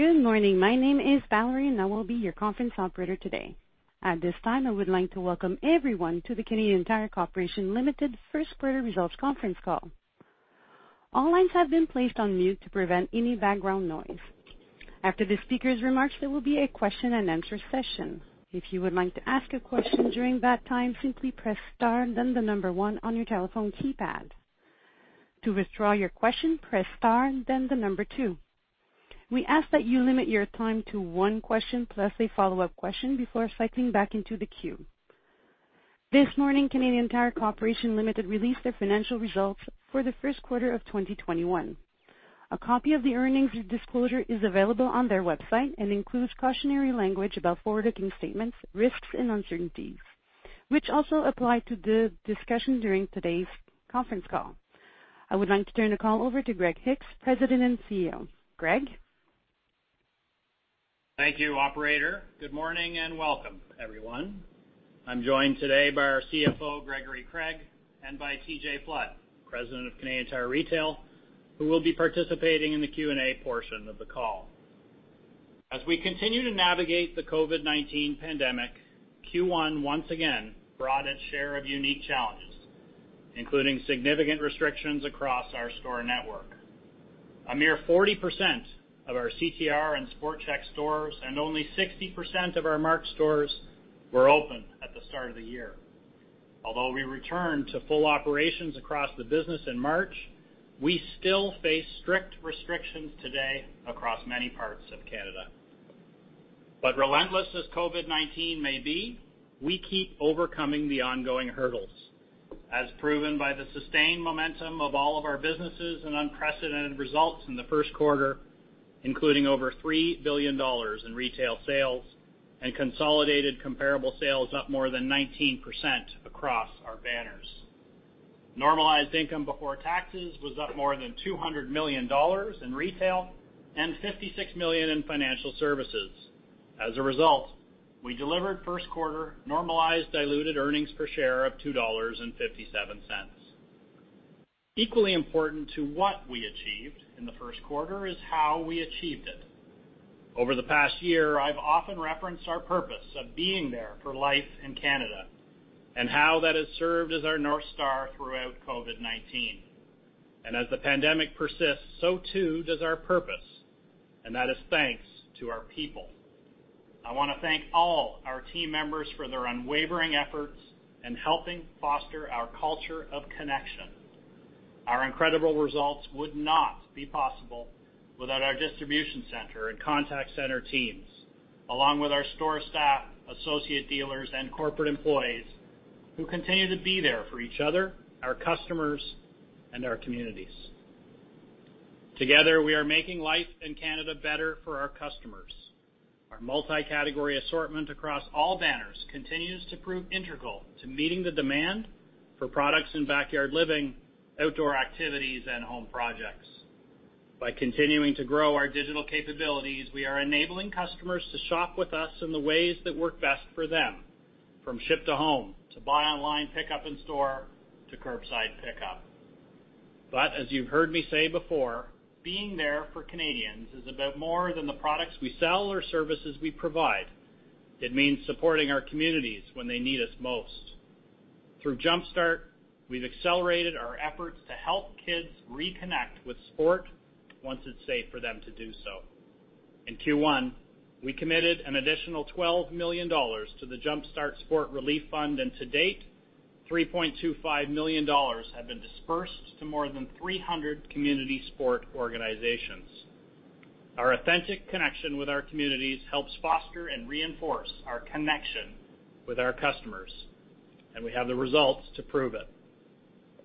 Good morning. My name is Valerie, and I will be your conference operator today. At this time, I would like to welcome everyone to the Canadian Tire Corporation, Limited first quarter results conference call. All lines have been placed on mute to prevent any background noise. After the speaker's remarks, there will be a question-and-answer session. If you would like to ask a question during that time, simply press star, then the number one on your telephone keypad. To withdraw your question, press star, then the number two. We ask that you limit your time to one question, plus a follow-up question before cycling back into the queue. This morning, Canadian Tire Corporation, Limited released their financial results for the first quarter of 2021. A copy of the earnings disclosure is available on their website and includes cautionary language about forward-looking statements, risks, and uncertainties, which also apply to the discussion during today's conference call. I would like to turn the call over to Greg Hicks, President and CEO. Greg? Thank you, operator. Good morning, and welcome, everyone. I'm joined today by our CFO, Gregory Craig, and by TJ Flood, President of Canadian Tire Retail, who will be participating in the Q&A portion of the call. As we continue to navigate the COVID-19 pandemic, Q1 once again brought its share of unique challenges, including significant restrictions across our store network. A mere 40% of our CTR and SportChek stores, and only 60% of our Mark's stores were open at the start of the year. Although we returned to full operations across the business in March, we still face strict restrictions today across many parts of Canada. But relentless as COVID-19 may be, we keep overcoming the ongoing hurdles, as proven by the sustained momentum of all of our businesses and unprecedented results in the first quarter, including over 3 billion dollars in retail sales and consolidated comparable sales up more than 19% across our banners. Normalized income before taxes was up more than 200 million dollars in retail and 56 million in financial services. As a result, we delivered first quarter normalized diluted earnings per share of 2.57 dollars. Equally important to what we achieved in the first quarter is how we achieved it. Over the past year, I've often referenced our purpose of being there for life in Canada and how that has served as our North Star throughout COVID-19. And as the pandemic persists, so too does our purpose, and that is thanks to our people. I want to thank all our team members for their unwavering efforts in helping foster our culture of connection. Our incredible results would not be possible without our distribution center and contact center teams, along with our store staff, associate dealers, and corporate employees who continue to be there for each other, our customers, and our communities. Together, we are making life in Canada better for our customers. Our multi-category assortment across all banners continues to prove integral to meeting the demand for products in backyard living, outdoor activities, and home projects. By continuing to grow our digital capabilities, we are enabling customers to shop with us in the ways that work best for them, from ship to home, to buy online, pickup in store, to curbside pickup. But as you've heard me say before, being there for Canadians is about more than the products we sell or services we provide. It means supporting our communities when they need us most. Through Jumpstart, we've accelerated our efforts to help kids reconnect with sport once it's safe for them to do so. In Q1, we committed an additional 12 million dollars to the Jumpstart Sport Relief Fund, and to date, 3.25 million dollars have been dispersed to more than 300 community sport organizations. Our authentic connection with our communities helps foster and reinforce our connection with our customers, and we have the results to prove it.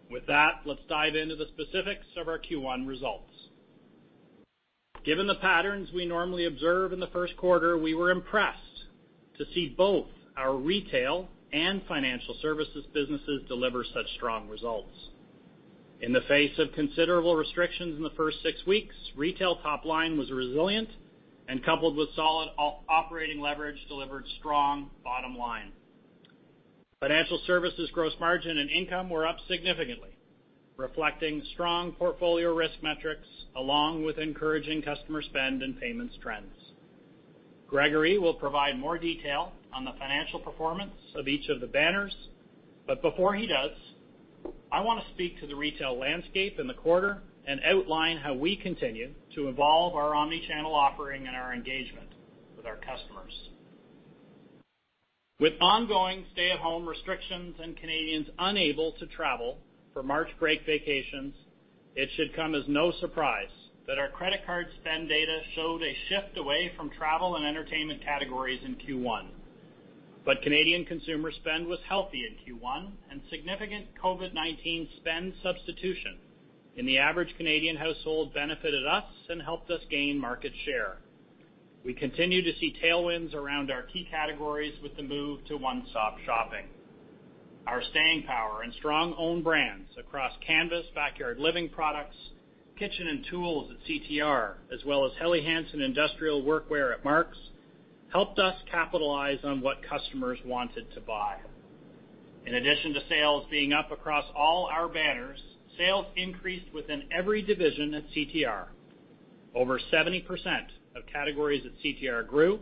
With that, let's dive into the specifics of our Q1 results. Given the patterns we normally observe in the first quarter, we were impressed to see both our retail and financial services businesses deliver such strong results. In the face of considerable restrictions in the first six weeks, retail top line was resilient and, coupled with solid operating leverage, delivered strong bottom line. Financial services gross margin and income were up significantly, reflecting strong portfolio risk metrics, along with encouraging customer spend and payments trends. Gregory will provide more detail on the financial performance of each of the banners, but before he does, I want to speak to the retail landscape in the quarter and outline how we continue to evolve our omni-channel offering and our engagement with our customers. With ongoing stay-at-home restrictions and Canadians unable to travel for March break vacations, it should come as no surprise that our credit card spend data showed a shift away from travel and entertainment categories in Q1. But Canadian consumer spend was healthy in Q1, and significant COVID-19 spend substitution in the average Canadian household benefited us and helped us gain market share. We continue to see tailwinds around our key categories with the move to one-stop shopping. Our staying power and strong own brands across canvas, backyard living products, kitchen and tools at CTR, as well as Helly Hansen industrial workwear at Mark's, helped us capitalize on what customers wanted to buy.... In addition to sales being up across all our banners, sales increased within every division at CTR. Over 70% of categories at CTR grew,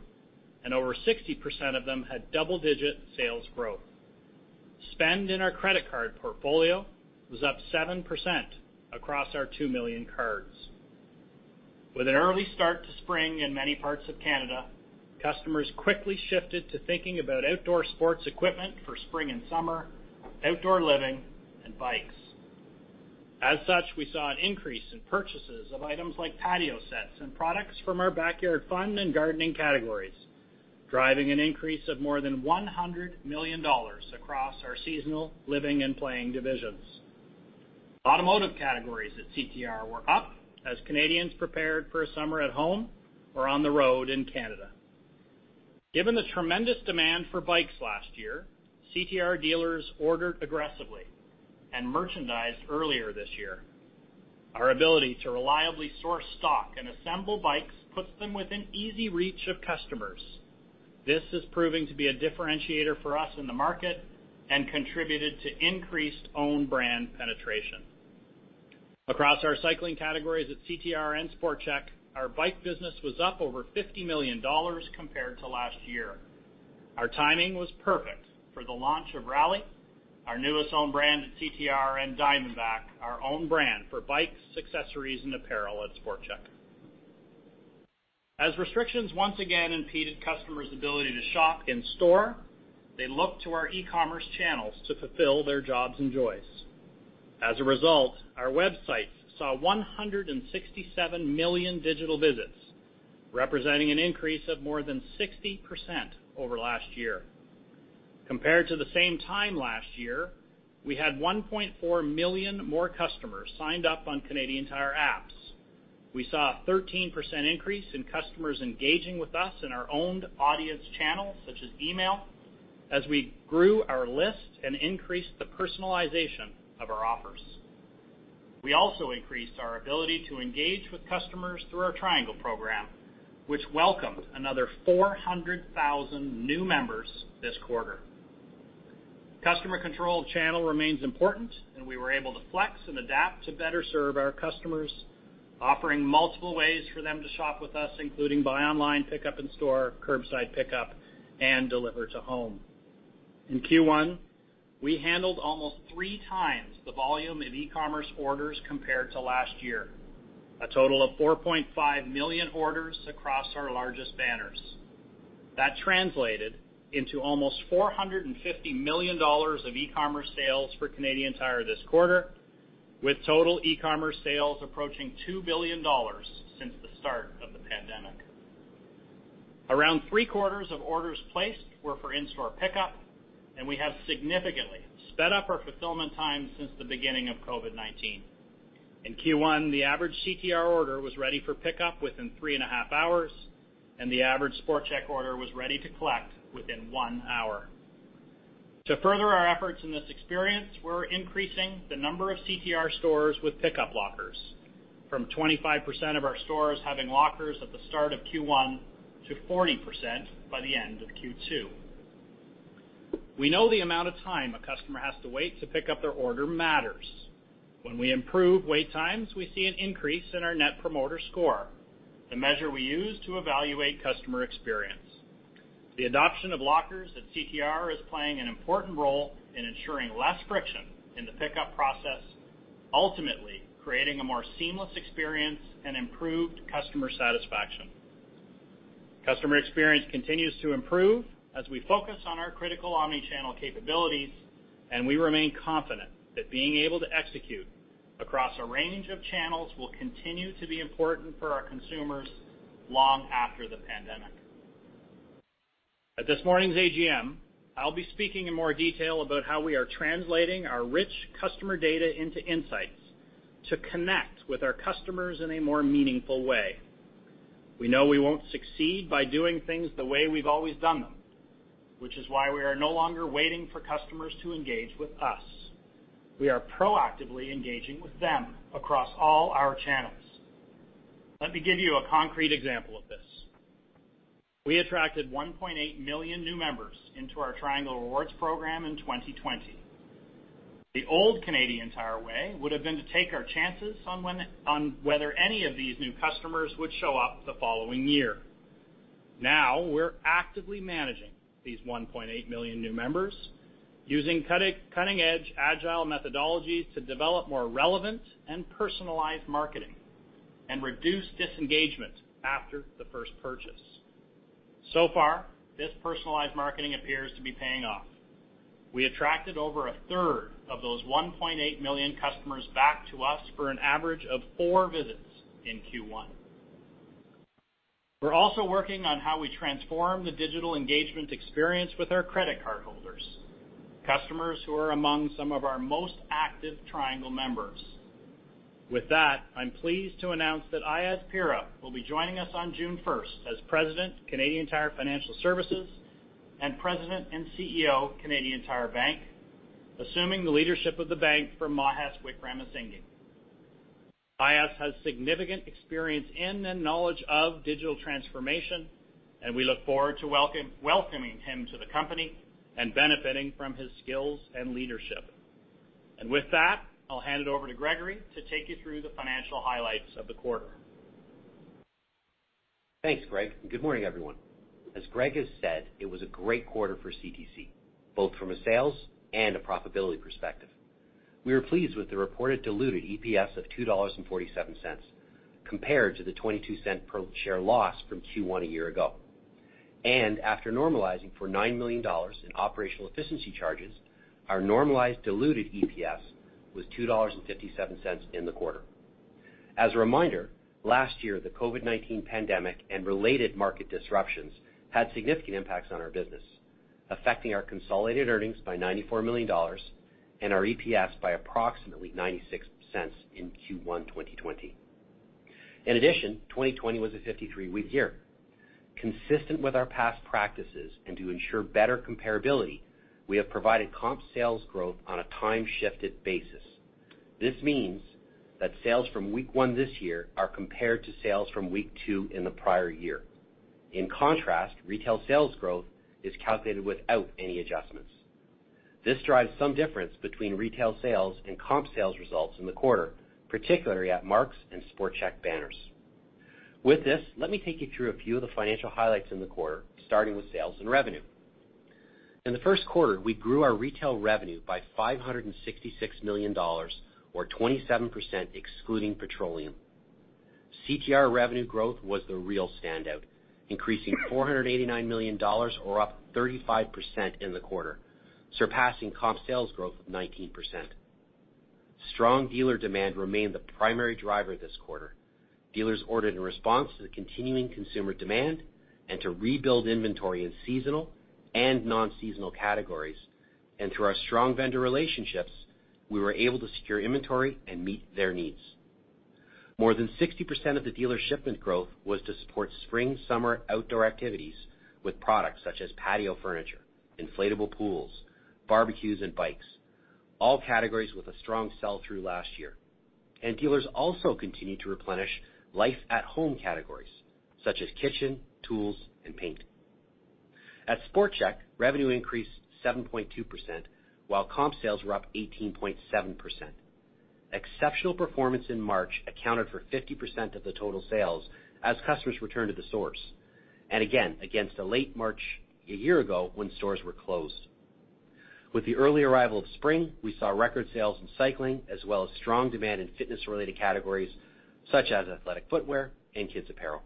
and over 60% of them had double-digit sales growth. Spend in our credit card portfolio was up 7% across our 2 million cards. With an early start to spring in many parts of Canada, customers quickly shifted to thinking about outdoor sports equipment for spring and summer, outdoor living, and bikes. As such, we saw an increase in purchases of items like patio sets and products from our backyard fun and gardening categories, driving an increase of more than 100 million dollars across our seasonal living and playing divisions. Automotive categories at CTR were up as Canadians prepared for a summer at home or on the road in Canada. Given the tremendous demand for bikes last year, CTR dealers ordered aggressively and merchandised earlier this year. Our ability to reliably source stock and assemble bikes puts them within easy reach of customers. This is proving to be a differentiator for us in the market and contributed to increased own brand penetration. Across our cycling categories at CTR and SportChek, our bike business was up over 50 million dollars compared to last year. Our timing was perfect for the launch of Raleigh, our newest own brand at CTR, and Diamondback, our own brand for bikes, accessories, and apparel at SportChek. As restrictions once again impeded customers' ability to shop in store, they looked to our e-commerce channels to fulfill their jobs and joys. As a result, our websites saw 167 million digital visits, representing an increase of more than 60% over last year. Compared to the same time last year, we had 1.4 million more customers signed up on Canadian Tire apps. We saw a 13% increase in customers engaging with us in our owned audience channels, such as email, as we grew our list and increased the personalization of our offers. We also increased our ability to engage with customers through our Triangle program, which welcomed another 400,000 new members this quarter. Customer control channel remains important, and we were able to flex and adapt to better serve our customers, offering multiple ways for them to shop with us, including buy online, pickup in store, curbside pickup, and deliver to home. In Q1, we handled almost 3 times the volume of e-commerce orders compared to last year, a total of 4.5 million orders across our largest banners. That translated into almost 450 million dollars of e-commerce sales for Canadian Tire this quarter, with total e-commerce sales approaching 2 billion dollars since the start of the pandemic. Around three-quarters of orders placed were for in-store pickup, and we have significantly sped up our fulfillment time since the beginning of COVID-19. In Q1, the average CTR order was ready for pickup within 3.5 hours, and the average SportChek order was ready to collect within 1 hour. To further our efforts in this experience, we're increasing the number of CTR stores with pickup lockers from 25% of our stores having lockers at the start of Q1 to 40% by the end of Q2. We know the amount of time a customer has to wait to pick up their order matters. When we improve wait times, we see an increase in our Net Promoter Score, the measure we use to evaluate customer experience. The adoption of lockers at CTR is playing an important role in ensuring less friction in the pickup process, ultimately creating a more seamless experience and improved customer satisfaction. Customer experience continues to improve as we focus on our critical omni-channel capabilities, and we remain confident that being able to execute across a range of channels will continue to be important for our consumers long after the pandemic. At this morning's AGM, I'll be speaking in more detail about how we are translating our rich customer data into insights to connect with our customers in a more meaningful way. We know we won't succeed by doing things the way we've always done them, which is why we are no longer waiting for customers to engage with us. We are proactively engaging with them across all our channels. Let me give you a concrete example of this. We attracted 1.8 million new members into our Triangle Rewards program in 2020. The old Canadian Tire way would have been to take our chances on whether any of these new customers would show up the following year. Now, we're actively managing these 1.8 million new members, using cutting-edge agile methodologies to develop more relevant and personalized marketing and reduce disengagement after the first purchase. So far, this personalized marketing appears to be paying off. We attracted over a third of those 1.8 million customers back to us for an average of four visits in Q1. We're also working on how we transform the digital engagement experience with our credit card holders, customers who are among some of our most active Triangle members. With that, I'm pleased to announce that Aayaz Pira will be joining us on June 1st as President, Canadian Tire Financial Services, and President and CEO, Canadian Tire Bank, assuming the leadership of the bank from Mahes Wickramasinghe. Aayaz has significant experience in and knowledge of digital transformation, and we look forward to welcome, welcoming him to the company and benefiting from his skills and leadership. With that, I'll hand it over to Gregory to take you through the financial highlights of the quarter. Thanks, Greg, and good morning, everyone. As Greg has said, it was a great quarter for CTC, both from a sales and a profitability perspective. We are pleased with the reported diluted EPS of CAD 2.47, compared to the 0.22 per share loss from Q1 a year ago. After normalizing for 9 million dollars in operational efficiency charges, our normalized diluted EPS was 2.57 dollars in the quarter. As a reminder, last year, the COVID-19 pandemic and related market disruptions had significant impacts on our business, affecting our consolidated earnings by 94 million dollars and our EPS by approximately 0.96 in Q1 2020. In addition, 2020 was a 53-week year. Consistent with our past practices and to ensure better comparability, we have provided comp sales growth on a time-shifted basis. This means that sales from week one this year are compared to sales from week two in the prior year. In contrast, retail sales growth is calculated without any adjustments. This drives some difference between retail sales and comp sales results in the quarter, particularly at Mark's and SportChek banners. With this, let me take you through a few of the financial highlights in the quarter, starting with sales and revenue. In the first quarter, we grew our retail revenue by 566 million dollars or 27%, excluding petroleum. CTR revenue growth was the real standout, increasing 489 million dollars or up 35% in the quarter, surpassing comp sales growth of 19%. Strong dealer demand remained the primary driver this quarter. Dealers ordered in response to the continuing consumer demand and to rebuild inventory in seasonal and non-seasonal categories, and through our strong vendor relationships, we were able to secure inventory and meet their needs. More than 60% of the dealer shipment growth was to support spring, summer outdoor activities with products such as patio furniture, inflatable pools, barbecues, and bikes, all categories with a strong sell-through last year. And dealers also continued to replenish life at home categories such as kitchen, tools, and paint. At SportChek, revenue increased 7.2%, while comp sales were up 18.7%. Exceptional performance in March accounted for 50% of the total sales as customers returned to the stores, and again, against the late March a year ago when stores were closed. With the early arrival of spring, we saw record sales in cycling, as well as strong demand in fitness-related categories, such as athletic footwear and kids' apparel.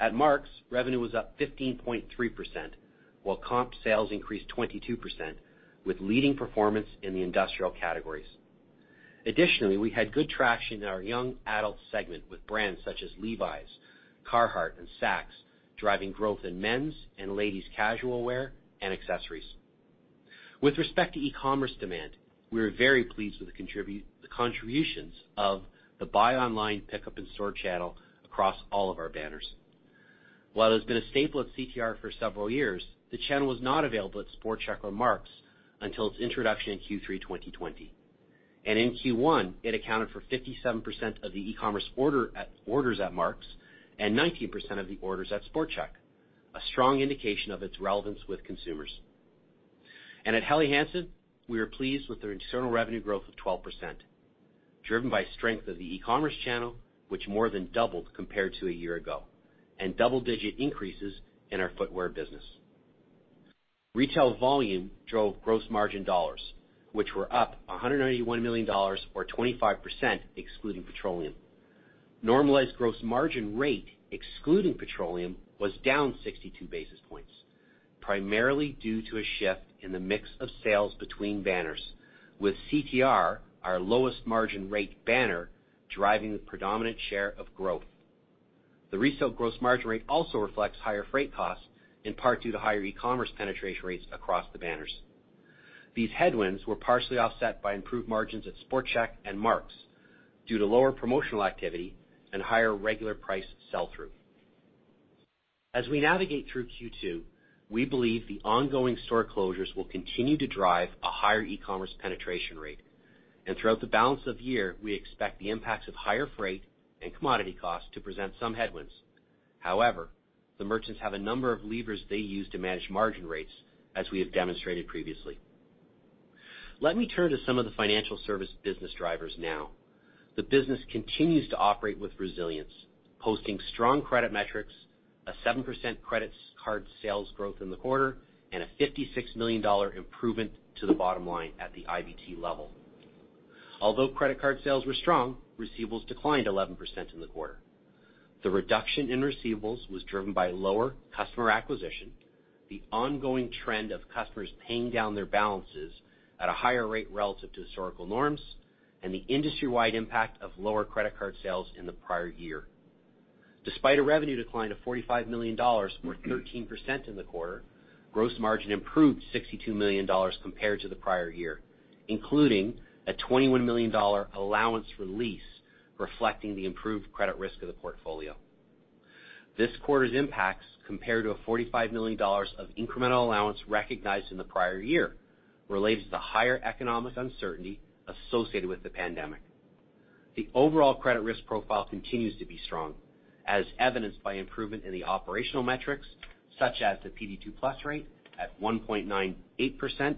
At Mark's, revenue was up 15.3%, while comp sales increased 22%, with leading performance in the industrial categories. Additionally, we had good traction in our young adult segment with brands such as Levi's, Carhartt, and Saxx, driving growth in men's and ladies' casual wear and accessories. With respect to e-commerce demand, we are very pleased with the contributions of the buy online, pickup in store channel across all of our banners. While it's been a staple at CTR for several years, the channel was not available at SportChek or Mark's until its introduction in Q3 2020. In Q1, it accounted for 57% of the e-commerce orders at Mark's and 19% of the orders at SportChek, a strong indication of its relevance with consumers. At Helly Hansen, we are pleased with the internal revenue growth of 12%, driven by strength of the e-commerce channel, which more than doubled compared to a year ago, and double-digit increases in our footwear business. Retail volume drove gross margin dollars, which were up 191 million dollars or 25%, excluding petroleum. Normalized gross margin rate, excluding petroleum, was down 62 basis points, primarily due to a shift in the mix of sales between banners, with CTR, our lowest margin rate banner, driving the predominant share of growth. The resale gross margin rate also reflects higher freight costs, in part due to higher e-commerce penetration rates across the banners. These headwinds were partially offset by improved margins at SportChek and Mark's due to lower promotional activity and higher regular price sell-through. As we navigate through Q2, we believe the ongoing store closures will continue to drive a higher e-commerce penetration rate, and throughout the balance of the year, we expect the impacts of higher freight and commodity costs to present some headwinds. However, the merchants have a number of levers they use to manage margin rates, as we have demonstrated previously. Let me turn to some of the financial service business drivers now. The business continues to operate with resilience, posting strong credit metrics, a 7% credit card sales growth in the quarter, and a 56 million dollar improvement to the bottom line at the IBT level. Although credit card sales were strong, receivables declined 11% in the quarter. The reduction in receivables was driven by lower customer acquisition, the ongoing trend of customers paying down their balances at a higher rate relative to historical norms, and the industry-wide impact of lower credit card sales in the prior year. Despite a revenue decline of 45 million dollars or 13% in the quarter, gross margin improved 62 million dollars compared to the prior year, including a 21 million dollar allowance release, reflecting the improved credit risk of the portfolio.... This quarter's impacts, compared to a 45 million dollars of incremental allowance recognized in the prior year, relates to the higher economic uncertainty associated with the pandemic. The overall credit risk profile continues to be strong, as evidenced by improvement in the operational metrics, such as the PD2+ rate at 1.98%,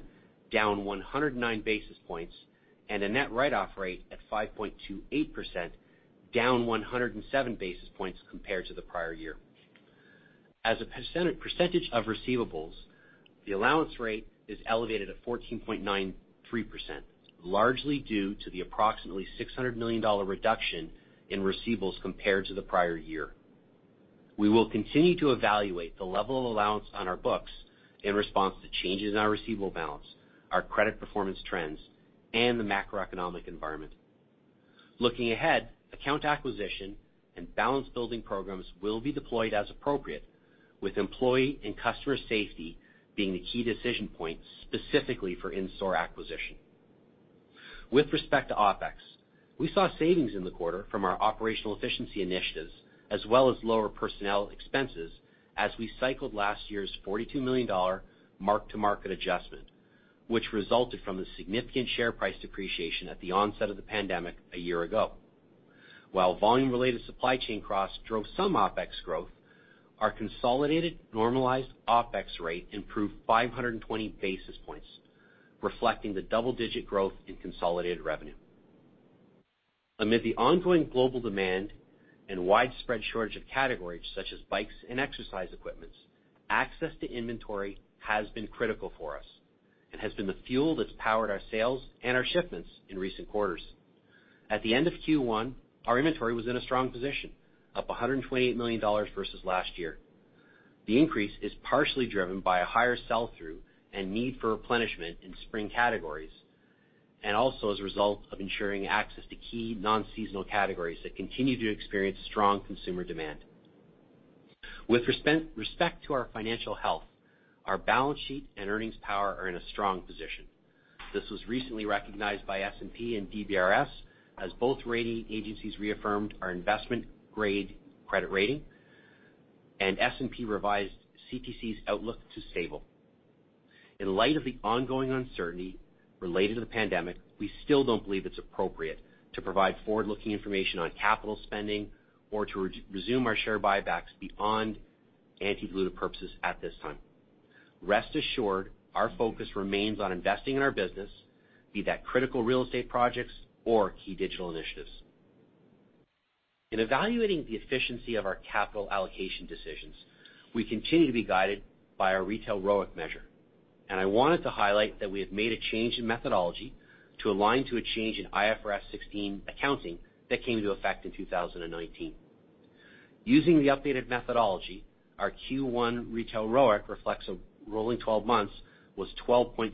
down 109 basis points, and a net write-off rate at 5.28%, down 107 basis points compared to the prior year. As a percentage of receivables, the allowance rate is elevated at 14.93%, largely due to the approximately 600 million dollar reduction in receivables compared to the prior year. We will continue to evaluate the level of allowance on our books in response to changes in our receivable balance, our credit performance trends, and the macroeconomic environment. Looking ahead, account acquisition and balance-building programs will be deployed as appropriate, with employee and customer safety being the key decision point, specifically for in-store acquisition. With respect to OpEx, we saw savings in the quarter from our operational efficiency initiatives, as well as lower personnel expenses as we cycled last year's 42 million dollar mark-to-market adjustment, which resulted from the significant share price depreciation at the onset of the pandemic a year ago. While volume-related supply chain costs drove some OpEx growth, our consolidated normalized OpEx rate improved 520 basis points, reflecting the double-digit growth in consolidated revenue. Amid the ongoing global demand and widespread shortage of categories, such as bikes and exercise equipment, access to inventory has been critical for us and has been the fuel that's powered our sales and our shipments in recent quarters. At the end of Q1, our inventory was in a strong position, up 128 million dollars versus last year. The increase is partially driven by a higher sell-through and need for replenishment in spring categories, and also as a result of ensuring access to key non-seasonal categories that continue to experience strong consumer demand. With respect to our financial health, our balance sheet and earnings power are in a strong position. This was recently recognized by S&P and DBRS, as both rating agencies reaffirmed our investment-grade credit rating, and S&P revised CTC's outlook to stable. In light of the ongoing uncertainty related to the pandemic, we still don't believe it's appropriate to provide forward-looking information on capital spending or to re-resume our share buybacks beyond anti-dilutive purposes at this time. Rest assured, our focus remains on investing in our business, be that critical real estate projects or key digital initiatives. In evaluating the efficiency of our capital allocation decisions, we continue to be guided by our retail ROIC measure, and I wanted to highlight that we have made a change in methodology to align to a change in IFRS 16 accounting that came into effect in 2019. Using the updated methodology, our Q1 retail ROIC reflects a rolling twelve months, was 12.2%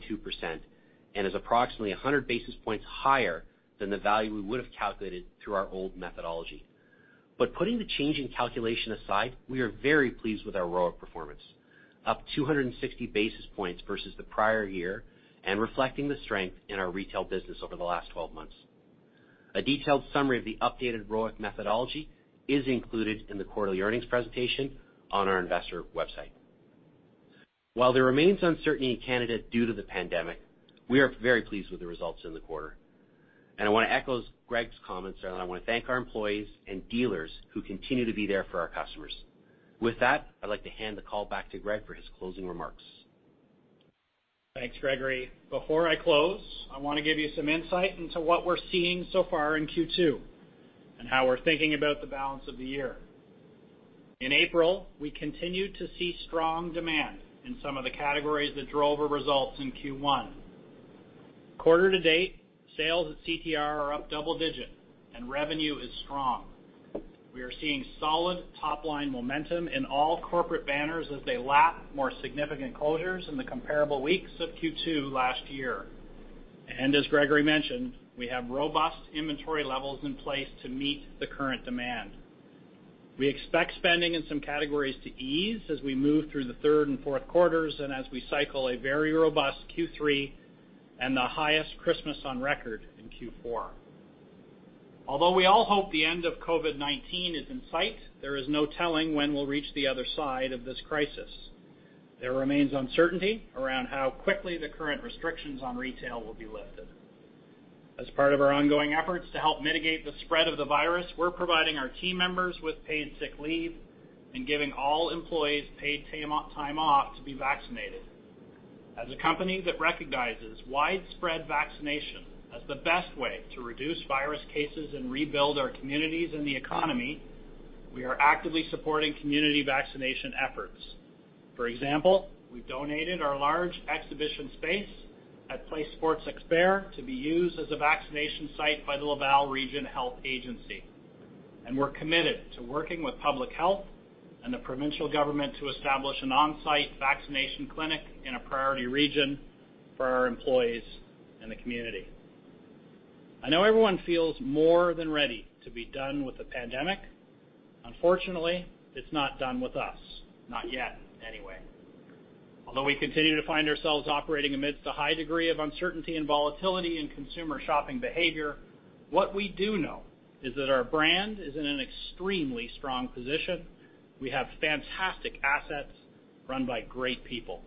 and is approximately 100 basis points higher than the value we would have calculated through our old methodology. But putting the change in calculation aside, we are very pleased with our ROIC performance, up 260 basis points versus the prior year and reflecting the strength in our retail business over the last twelve months. A detailed summary of the updated ROIC methodology is included in the quarterly earnings presentation on our investor website. While there remains uncertainty in Canada due to the pandemic, we are very pleased with the results in the quarter. I want to echo Greg's comments, and I want to thank our employees and dealers who continue to be there for our customers. With that, I'd like to hand the call back to Greg for his closing remarks. Thanks, Gregory. Before I close, I want to give you some insight into what we're seeing so far in Q2 and how we're thinking about the balance of the year. In April, we continued to see strong demand in some of the categories that drove our results in Q1. Quarter to date, sales at CTR are up double digit, and revenue is strong. We are seeing solid top-line momentum in all corporate banners as they lap more significant closures in the comparable weeks of Q2 last year. And as Gregory mentioned, we have robust inventory levels in place to meet the current demand. We expect spending in some categories to ease as we move through the third and fourth quarters and as we cycle a very robust Q3 and the highest Christmas on record in Q4. Although we all hope the end of COVID-19 is in sight, there is no telling when we'll reach the other side of this crisis. There remains uncertainty around how quickly the current restrictions on retail will be lifted. As part of our ongoing efforts to help mitigate the spread of the virus, we're providing our team members with paid sick leave and giving all employees paid time off, time off to be vaccinated. As a company that recognizes widespread vaccination as the best way to reduce virus cases and rebuild our communities and the economy, we are actively supporting community vaccination efforts. For example, we've donated our large exhibition space at Place Sports Experts to be used as a vaccination site by the Laval Region Health Agency, and we're committed to working with public health and the provincial government to establish an on-site vaccination clinic in a priority region for our employees and the community. I know everyone feels more than ready to be done with the pandemic. Unfortunately, it's not done with us, not yet, anyway.... Although we continue to find ourselves operating amidst a high degree of uncertainty and volatility in consumer shopping behavior, what we do know is that our brand is in an extremely strong position. We have fantastic assets run by great people.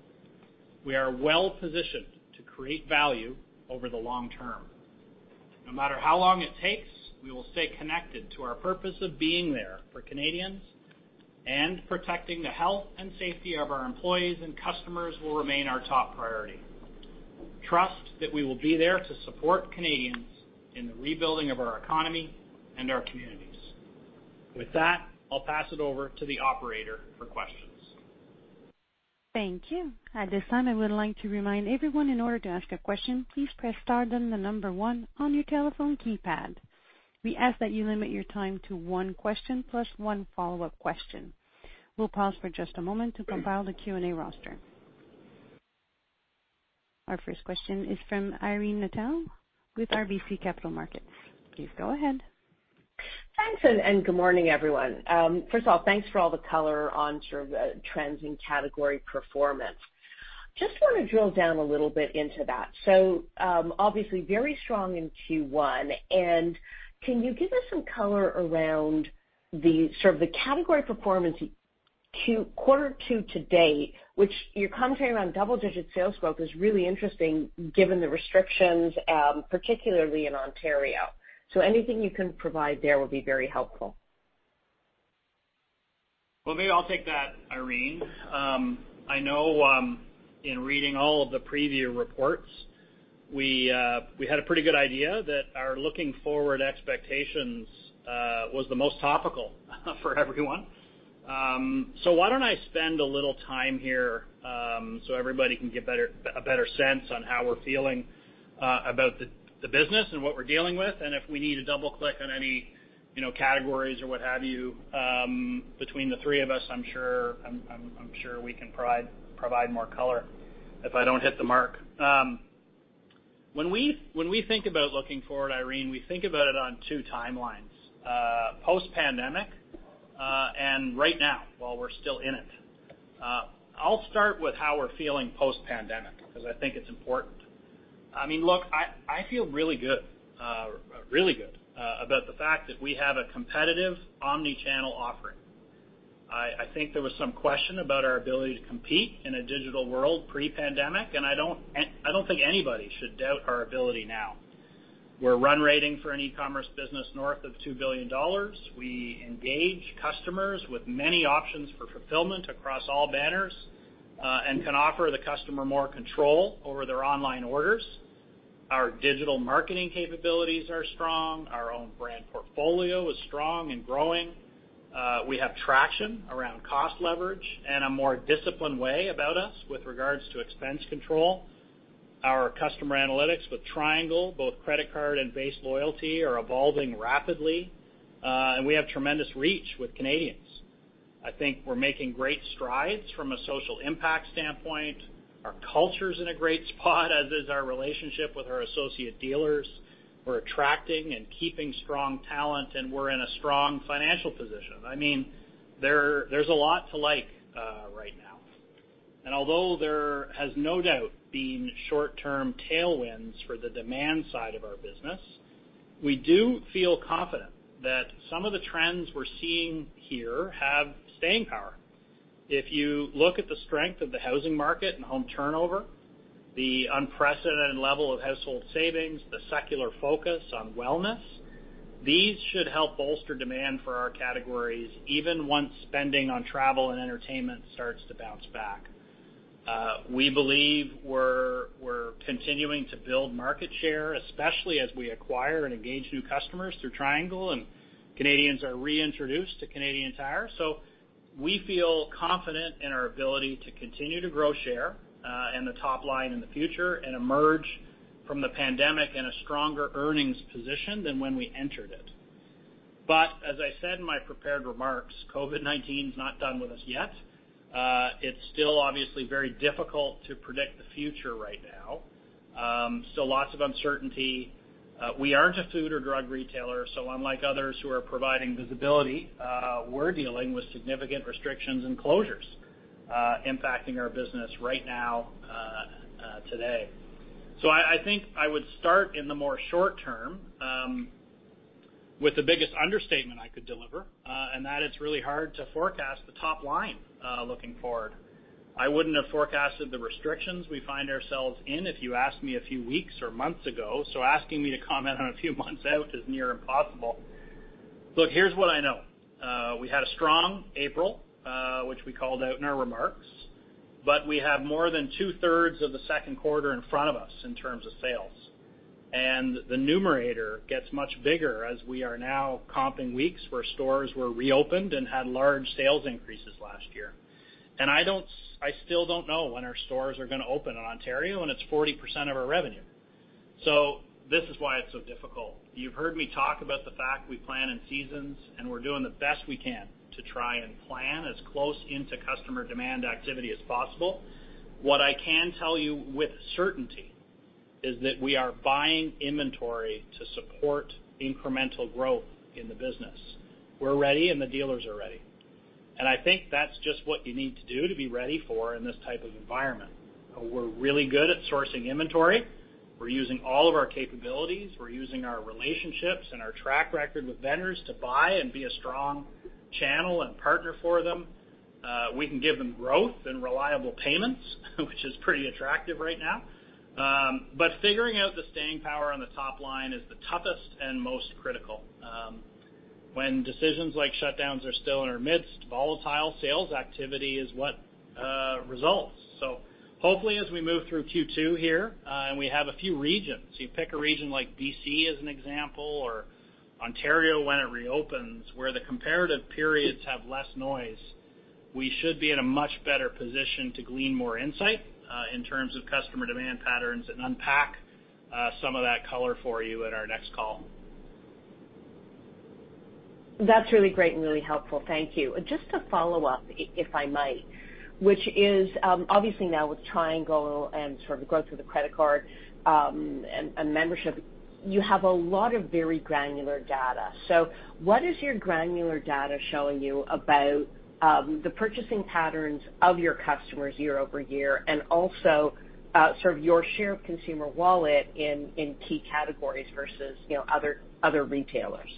We are well-positioned to create value over the long term. No matter how long it takes, we will stay connected to our purpose of being there for Canadians, and protecting the health and safety of our employees and customers will remain our top priority. Trust that we will be there to support Canadians in the rebuilding of our economy and our communities. With that, I'll pass it over to the operator for questions. Thank you. At this time, I would like to remind everyone, in order to ask a question, please press star, then the number one on your telephone keypad. We ask that you limit your time to one question plus one follow-up question. We'll pause for just a moment to compile the Q&A roster. Our first question is from Irene Nattel with RBC Capital Markets. Please go ahead. Thanks, and good morning, everyone. First of all, thanks for all the color on sort of the trends in category performance. Just wanna drill down a little bit into that. So, obviously, very strong in Q1, and can you give us some color around the, sort of the category performance quarter to date, which your commentary around double-digit sales growth is really interesting given the restrictions, particularly in Ontario. So anything you can provide there will be very helpful. Well, maybe I'll take that, Irene. I know, in reading all of the preview reports, we had a pretty good idea that our looking forward expectations was the most topical for everyone. So why don't I spend a little time here, so everybody can get a better sense on how we're feeling, about the business and what we're dealing with, and if we need to double-click on any, you know, categories or what have you, between the three of us, I'm sure we can provide more color if I don't hit the mark. When we think about looking forward, Irene, we think about it on two timelines, post-pandemic, and right now, while we're still in it. I'll start with how we're feeling post-pandemic, because I think it's important. I mean, look, I feel really good, really good, about the fact that we have a competitive omni-channel offering. I think there was some question about our ability to compete in a digital world pre-pandemic, and I don't think anybody should doubt our ability now. We're run rating for an e-commerce business north of 2 billion dollars. We engage customers with many options for fulfillment across all banners, and can offer the customer more control over their online orders. Our digital marketing capabilities are strong. Our own brand portfolio is strong and growing. We have traction around cost leverage and a more disciplined way about us with regards to expense control. Our customer analytics with Triangle, both credit card and base loyalty, are evolving rapidly, and we have tremendous reach with Canadians. I think we're making great strides from a social impact standpoint. Our culture's in a great spot, as is our relationship with our associate dealers. We're attracting and keeping strong talent, and we're in a strong financial position. I mean, there's a lot to like right now. And although there has no doubt been short-term tailwinds for the demand side of our business, we do feel confident that some of the trends we're seeing here have staying power. If you look at the strength of the housing market and home turnover, the unprecedented level of household savings, the secular focus on wellness, these should help bolster demand for our categories, even once spending on travel and entertainment starts to bounce back. We believe we're continuing to build market share, especially as we acquire and engage new customers through Triangle, and Canadians are reintroduced to Canadian Tire. So we feel confident in our ability to continue to grow share, and the top line in the future and emerge from the pandemic in a stronger earnings position than when we entered it. But as I said in my prepared remarks, COVID-19's not done with us yet. It's still obviously very difficult to predict the future right now. Still lots of uncertainty. We aren't a food or drug retailer, so unlike others who are providing visibility, we're dealing with significant restrictions and closures, impacting our business right now, today. So I think I would start in the more short term, with the biggest understatement I could deliver, and that it's really hard to forecast the top line, looking forward. I wouldn't have forecasted the restrictions we find ourselves in if you asked me a few weeks or months ago, so asking me to comment on a few months out is near impossible. Look, here's what I know. We had a strong April, which we called out in our remarks, but we have more than two-thirds of the second quarter in front of us in terms of sales. And the numerator gets much bigger as we are now comping weeks where stores were reopened and had large sales increases last year. And I don't—I still don't know when our stores are gonna open in Ontario, and it's 40% of our revenue. So this is why it's so difficult. You've heard me talk about the fact we plan in seasons, and we're doing the best we can to try and plan as close into customer demand activity as possible. What I can tell you with certainty is that we are buying inventory to support incremental growth in the business. We're ready, and the dealers are ready. I think that's just what you need to do to be ready for in this type of environment. We're really good at sourcing inventory. We're using all of our capabilities, we're using our relationships and our track record with vendors to buy and be a strong channel and partner for them. We can give them growth and reliable payments, which is pretty attractive right now. Figuring out the staying power on the top line is the toughest and most critical. When decisions like shutdowns are still in our midst, volatile sales activity is what results. So hopefully, as we move through Q2 here, and we have a few regions, you pick a region like BC as an example, or Ontario when it reopens, where the comparative periods have less noise, we should be in a much better position to glean more insight in terms of customer demand patterns and unpack some of that color for you in our next call. That's really great and really helpful. Thank you. Just to follow up, if I might, which is obviously now with Triangle and sort of the growth of the credit card, and membership, you have a lot of very granular data. So what is your granular data showing you about the purchasing patterns of your customers year-over-year, and also sort of your share of consumer wallet in key categories versus, you know, other retailers?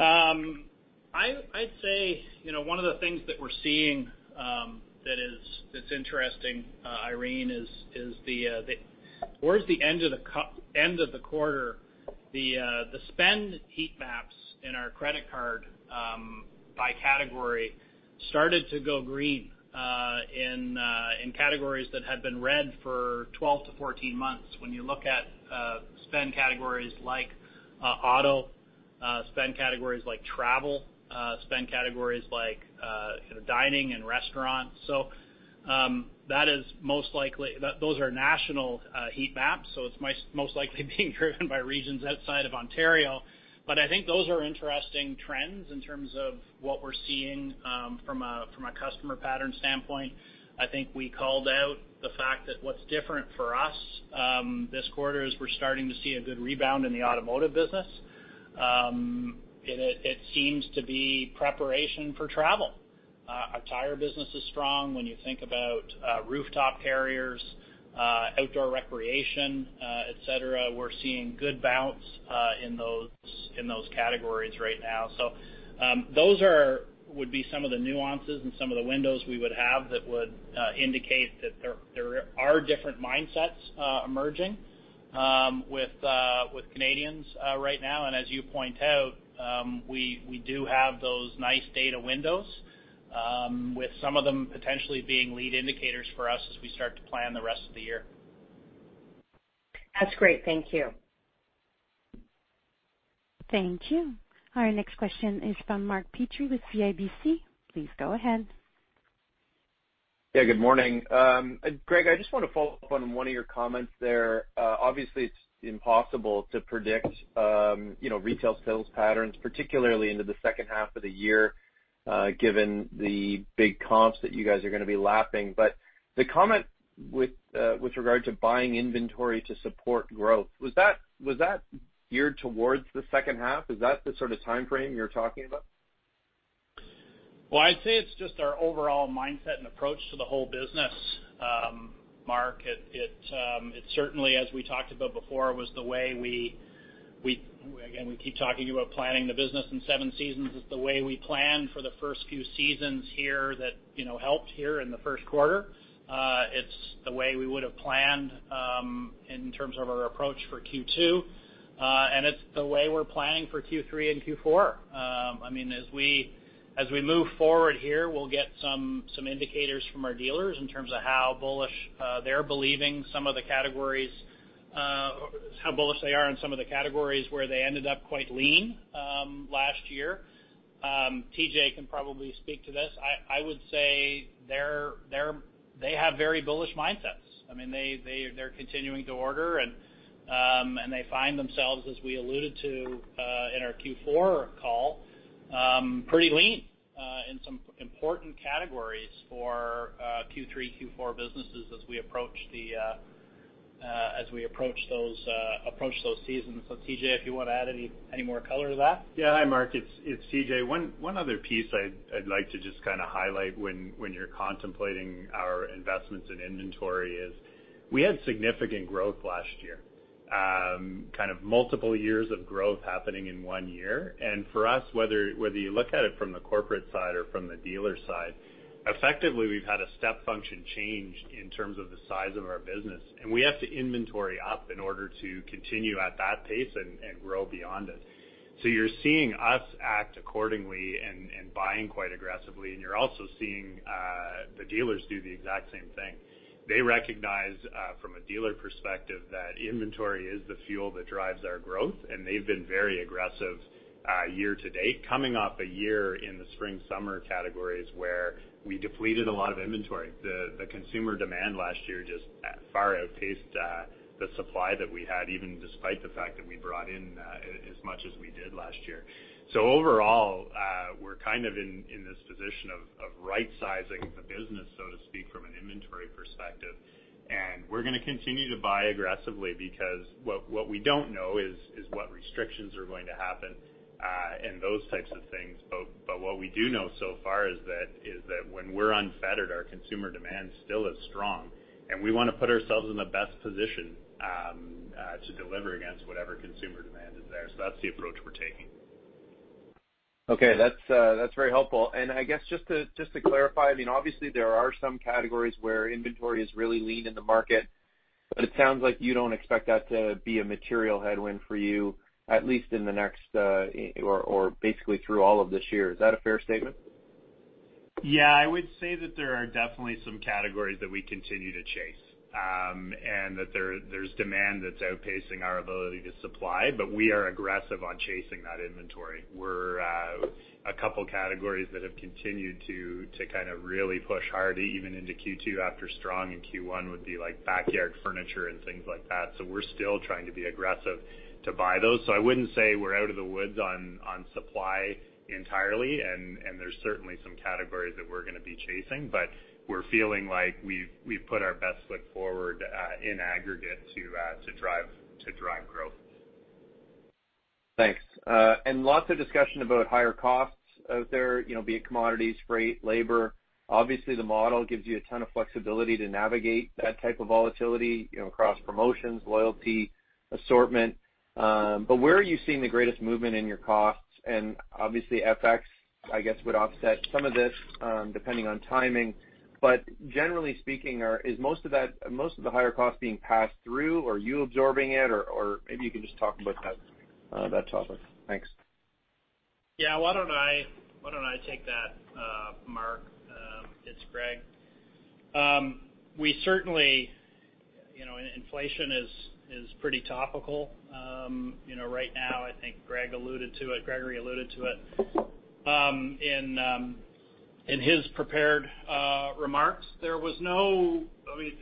I'd say, you know, one of the things that we're seeing, that's interesting, Irene, is the towards the end of the quarter, the spend heat maps in our credit card, by category, started to go green, in categories that had been red for 12-14 months. When you look at spend categories like auto, spend categories like travel, spend categories like, you know, dining and restaurants. So, that is most likely. Those are national heat maps, so it's most likely being driven by regions outside of Ontario. But I think those are interesting trends in terms of what we're seeing, from a customer pattern standpoint. I think we called out the fact that what's different for us, this quarter, is we're starting to see a good rebound in the automotive business. It seems to be preparation for travel. Our tire business is strong when you think about, rooftop carriers, outdoor recreation, et cetera. We're seeing good bounce in those categories right now. So, those would be some of the nuances and some of the windows we would have that would indicate that there are different mindsets emerging with Canadians right now. And as you point out, we do have those nice data windows with some of them potentially being lead indicators for us as we start to plan the rest of the year. That's great. Thank you. Thank you. Our next question is from Mark Petrie with CIBC. Please go ahead. Yeah, good morning. Greg, I just want to follow up on one of your comments there. Obviously, it's impossible to predict, you know, retail sales patterns, particularly into the second half of the year, given the big comps that you guys are going to be lapping. But the comment with regard to buying inventory to support growth, was that geared towards the second half? Is that the sort of timeframe you're talking about? Well, I'd say it's just our overall mindset and approach to the whole business, Mark. It certainly, as we talked about before, was the way we again keep talking about planning the business in seven seasons. It's the way we planned for the first few seasons here that, you know, helped here in the first quarter. It's the way we would have planned in terms of our approach for Q2. And it's the way we're planning for Q3 and Q4. I mean, as we move forward here, we'll get some indicators from our dealers in terms of how bullish they're believing some of the categories how bullish they are in some of the categories where they ended up quite lean last year. TJ can probably speak to this. I would say they have very bullish mindsets. I mean, they're continuing to order, and they find themselves, as we alluded to, in our Q4 call, pretty lean in some important categories for Q3, Q4 businesses as we approach those seasons. So, TJ, if you want to add any more color to that? Yeah. Hi, Mark, it's TJ. One other piece I'd like to just kind of highlight when you're contemplating our investments in inventory is, we had significant growth last year. Kind of multiple years of growth happening in one year. And for us, whether you look at it from the corporate side or from the dealer side, effectively, we've had a step function change in terms of the size of our business, and we have to inventory up in order to continue at that pace and grow beyond it. So you're seeing us act accordingly and buying quite aggressively, and you're also seeing the dealers do the exact same thing. They recognize, from a dealer perspective, that inventory is the fuel that drives our growth, and they've been very aggressive, year to date, coming off a year in the spring-summer categories where we depleted a lot of inventory. The consumer demand last year just far outpaced us, the supply that we had, even despite the fact that we brought in, as much as we did last year. So overall, we're kind of in this position of right-sizing the business, so to speak, from an inventory perspective. And we're gonna continue to buy aggressively because what we don't know is what restrictions are going to happen, and those types of things. But what we do know so far is that when we're unfettered, our consumer demand still is strong, and we wanna put ourselves in the best position to deliver against whatever consumer demand is there. So that's the approach we're taking. Okay, that's, that's very helpful. And I guess just to, just to clarify, I mean, obviously, there are some categories where inventory is really lean in the market, but it sounds like you don't expect that to be a material headwind for you, at least in the next, or, or basically through all of this year. Is that a fair statement? Yeah, I would say that there are definitely some categories that we continue to chase, and that there's demand that's outpacing our ability to supply, but we are aggressive on chasing that inventory. We're a couple categories that have continued to kind of really push hard, even into Q2, after strong in Q1, would be like backyard furniture and things like that. So we're still trying to be aggressive to buy those. So I wouldn't say we're out of the woods on supply entirely, and there's certainly some categories that we're gonna be chasing, but we're feeling like we've put our best foot forward, in aggregate to drive growth. Thanks. Lots of discussion about higher costs out there, you know, be it commodities, freight, labor. Obviously, the model gives you a ton of flexibility to navigate that type of volatility, you know, across promotions, loyalty, assortment. But where are you seeing the greatest movement in your costs? And obviously, FX, I guess, would offset some of this, depending on timing. But generally speaking, is most of the higher costs being passed through, or are you absorbing it, or maybe you can just talk about that, that topic? Thanks. Yeah, why don't I, why don't I take that, Mark? It's Greg. We certainly... You know, inflation is, is pretty topical. You know, right now, I think Greg alluded to it, Gregory alluded to it, in, in his prepared, remarks. There was no - let me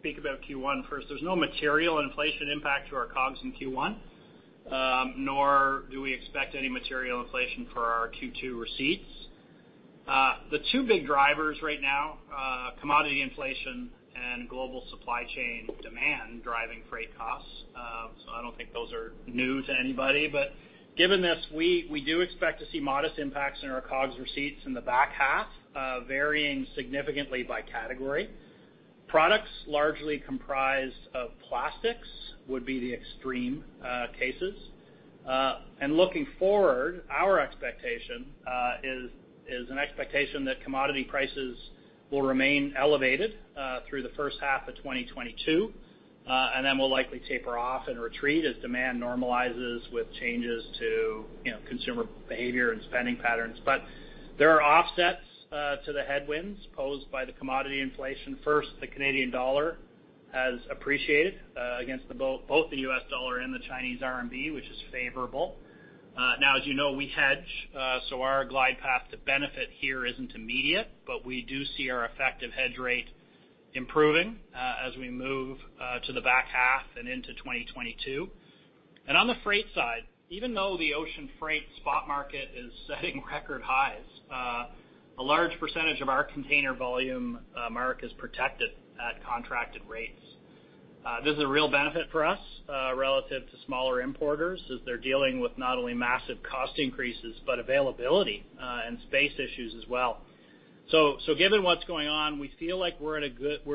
speak about Q1 first. There's no material inflation impact to our COGS in Q1, nor do we expect any material inflation for our Q2 receipts. The two big drivers right now, commodity inflation and global supply chain demand, driving freight costs. So I don't think those are new to anybody. But given this, we, we do expect to see modest impacts in our COGS receipts in the back half, varying significantly by category. Products largely comprised of plastics would be the extreme, cases. And looking forward, our expectation is an expectation that commodity prices will remain elevated through the first half of 2022, and then will likely taper off and retreat as demand normalizes with changes to, you know, consumer behavior and spending patterns. But there are offsets to the headwinds posed by the commodity inflation. First, the Canadian dollar has appreciated against both the U.S. dollar and the Chinese RMB, which is favorable. Now, as you know, we hedge, so our glide path to benefit here isn't immediate, but we do see our effective hedge rate improving as we move to the back half and into 2022. And on the freight side, even though the ocean freight spot market is setting record highs, a large percentage of our container volume, Mark, is protected at contracted rates. This is a real benefit for us, relative to smaller importers, as they're dealing with not only massive cost increases, but availability, and space issues as well. So, given what's going on, we feel like we're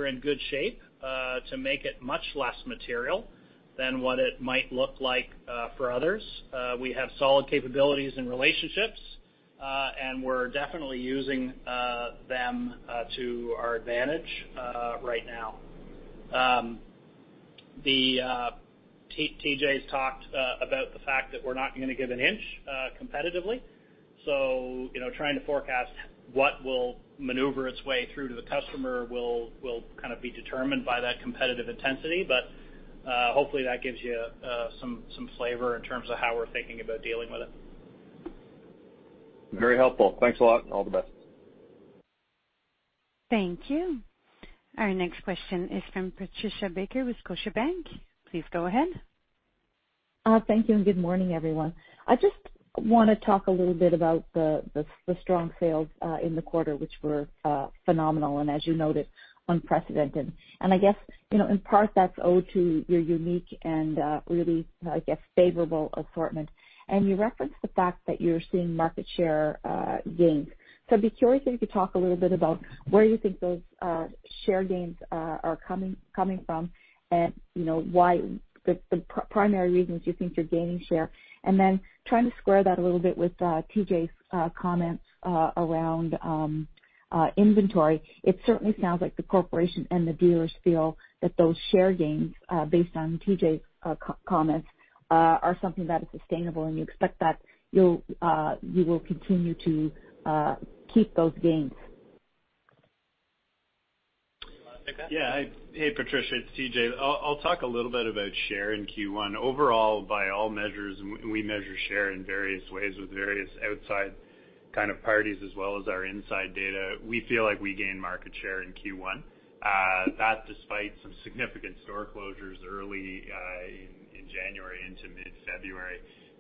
in good shape to make it much less material than what it might look like for others. We have solid capabilities and relationships, and we're definitely using them to our advantage right now. TJ's talked about the fact that we're not gonna give an inch competitively. So, you know, trying to forecast what will maneuver its way through to the customer will kind of be determined by that competitive intensity. But, hopefully, that gives you some flavor in terms of how we're thinking about dealing with it. Very helpful. Thanks a lot, and all the best. Thank you. Our next question is from Patricia Baker with Scotiabank. Please go ahead. Thank you, and good morning, everyone. I just wanna talk a little bit about the strong sales in the quarter, which were phenomenal, and as you noted, unprecedented. And I guess, you know, in part, that's owed to your unique and really favorable assortment. And you referenced the fact that you're seeing market share gains. So I'd be curious if you could talk a little bit about where you think those share gains are coming from, and, you know, why the primary reasons you think you're gaining share. And then trying to square that a little bit with TJ's comments around inventory. It certainly sounds like the corporation and the dealers feel that those share gains, based on TJ's comments, are something that is sustainable, and you expect that you'll continue to keep those gains. Yeah. Hey, Patricia, it's TJ. I'll talk a little bit about share in Q1. Overall, by all measures, and we measure share in various ways with various outside... kind of parties as well as our inside data, we feel like we gained market share in Q1. That despite some significant store closures early in January into mid-February.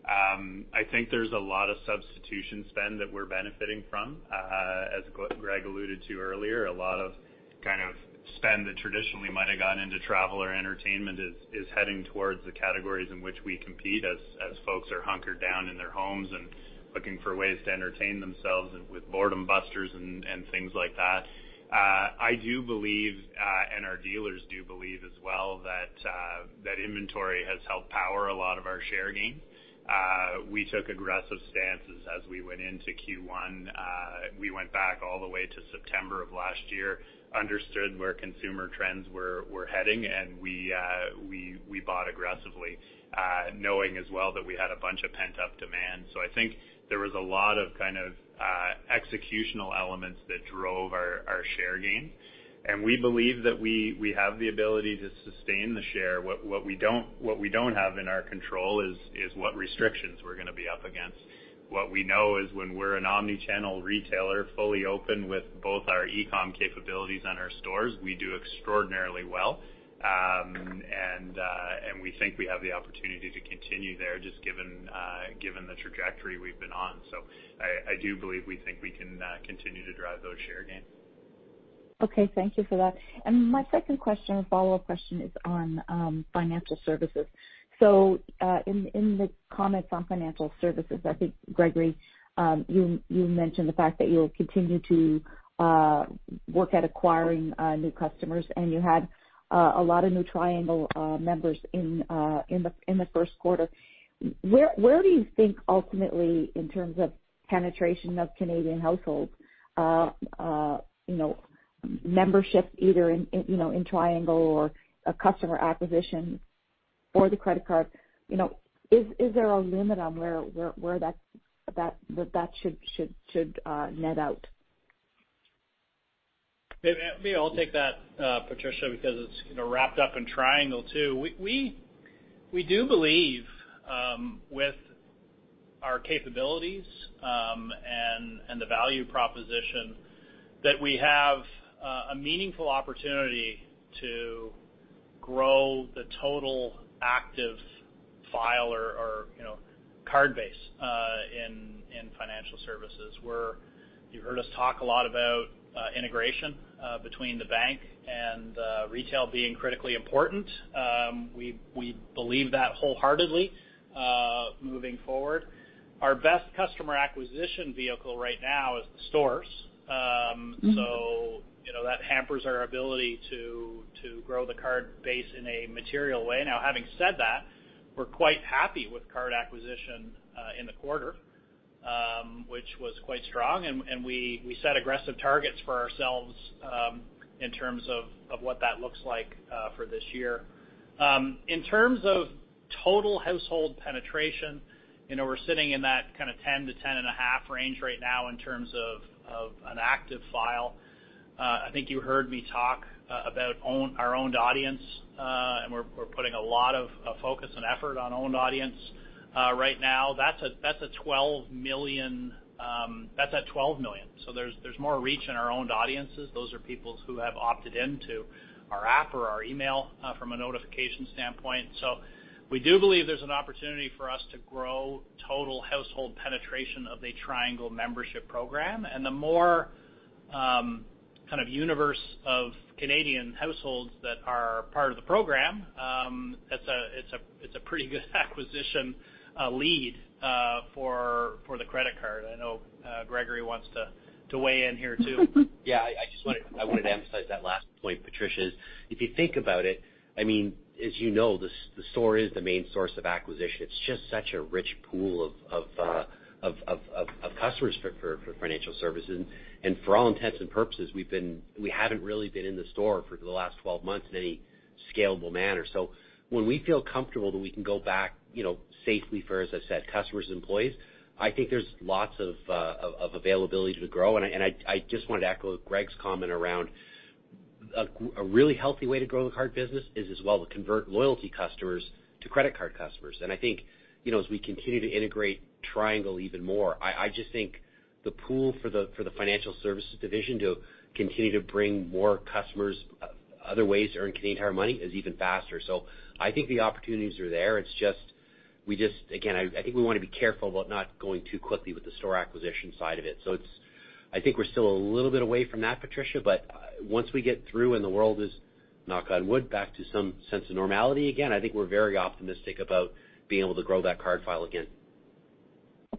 I think there's a lot of substitution spend that we're benefiting from. As Greg alluded to earlier, a lot of kind of spend that traditionally might have gone into travel or entertainment is heading towards the categories in which we compete, as folks are hunkered down in their homes and looking for ways to entertain themselves with boredom busters and things like that. I do believe, and our dealers do believe as well, that that inventory has helped power a lot of our share gain. We took aggressive stances as we went into Q1. We went back all the way to September of last year, understood where consumer trends were heading, and we bought aggressively, knowing as well that we had a bunch of pent-up demand. So I think there was a lot of kind of executional elements that drove our share gain. And we believe that we have the ability to sustain the share. What we don't have in our control is what restrictions we're gonna be up against. What we know is when we're an omni-channel retailer, fully open with both our e-com capabilities and our stores, we do extraordinarily well. We think we have the opportunity to continue there, just given the trajectory we've been on. So I do believe we think we can continue to drive those share gains. Okay, thank you for that. And my second question or follow-up question is on financial services. So, in the comments on financial services, I think, Gregory, you mentioned the fact that you'll continue to work at acquiring new customers, and you had a lot of new Triangle members in the first quarter. Where do you think ultimately, in terms of penetration of Canadian households, you know, membership, either in, you know, in Triangle or a customer acquisition or the credit card, you know, is there a limit on where that should net out? Maybe I'll take that, Patricia, because it's, you know, wrapped up in Triangle, too. We do believe, with our capabilities, and the value proposition, that we have a meaningful opportunity to grow the total active file or, you know, card base in financial services. Where you've heard us talk a lot about integration between the bank and retail being critically important, we believe that wholeheartedly, moving forward. Our best customer acquisition vehicle right now is the stores. So, you know, that hampers our ability to grow the card base in a material way. Now, having said that, we're quite happy with card acquisition in the quarter, which was quite strong, and we set aggressive targets for ourselves in terms of what that looks like for this year. In terms of total household penetration, you know, we're sitting in that kind of 10-10.5 range right now in terms of an active file. I think you heard me talk about our owned audience, and we're putting a lot of focus and effort on owned audience. Right now, that's 12 million, that's at 12 million, so there's more reach in our owned audiences. Those are people who have opted into our app or our email from a notification standpoint. So we do believe there's an opportunity for us to grow total household penetration of the Triangle membership program. And the more kind of universe of Canadian households that are part of the program, it's a pretty good acquisition lead for the credit card. I know Gregory wants to weigh in here, too. Yeah, I just wanted to emphasize that last point, Patricia. If you think about it, I mean, as you know, the store is the main source of acquisition. It's just such a rich pool of customers for financial services. And for all intents and purposes, we haven't really been in the store for the last 12 months in any scalable manner. So when we feel comfortable that we can go back, you know, safely for, as I've said, customers and employees, I think there's lots of availability to grow. And I just wanted to echo Greg's comment around a really healthy way to grow the card business is as well to convert loyalty customers to credit card customers. And I think, you know, as we continue to integrate Triangle even more, I just think the pool for the financial services division to continue to bring more customers, other ways to earn Canadian Tire Money, is even faster. So I think the opportunities are there. It's just, we just again, I think we wanna be careful about not going too quickly with the store acquisition side of it. So it's... I think we're still a little bit away from that, Patricia, but once we get through and the world is, knock on wood, back to some sense of normality again, I think we're very optimistic about being able to grow that card file again.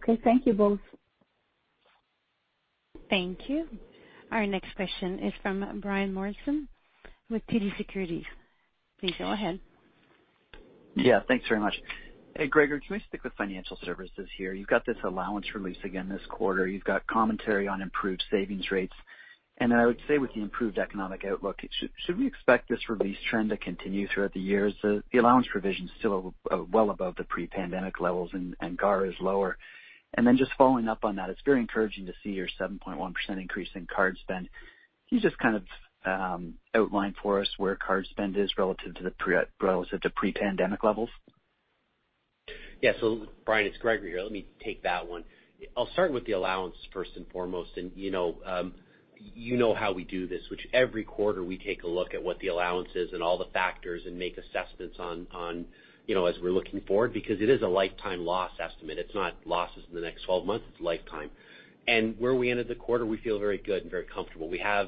Okay. Thank you both. Thank you. Our next question is from Brian Morrison with TD Securities. Please go ahead. Yeah, thanks very much. Hey, Gregory, can we stick with financial services here? You've got this allowance release again this quarter. You've got commentary on improved savings rates. And I would say, with the improved economic outlook, should we expect this release trend to continue throughout the years? The allowance provision is still well above the pre-pandemic levels, and GAR is lower. And then just following up on that, it's very encouraging to see your 7.1% increase in card spend. Can you just kind of outline for us where card spend is relative to pre-pandemic levels?... Yeah. So Brian, it's Gregory here. Let me take that one. I'll start with the allowance first and foremost, and, you know, you know how we do this, which every quarter we take a look at what the allowance is and all the factors, and make assessments on, you know, as we're looking forward, because it is a lifetime loss estimate. It's not losses in the next 12 months, it's lifetime. And where we ended the quarter, we feel very good and very comfortable. We have,